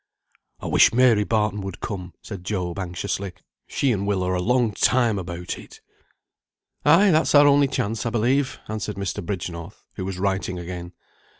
"I wish Mary Barton would come," said Job, anxiously. "She and Will are a long time about it." "Ay, that's our only chance, I believe," answered Mr. Bridgenorth, who was writing again.